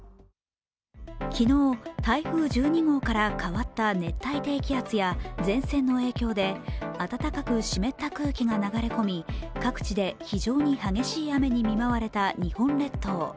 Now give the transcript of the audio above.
昨日、台風１２号から変わった熱帯低気圧や前線の影響で、暖かく湿った空気が流れ込み各地で非常に激しい雨に見舞われた日本列島。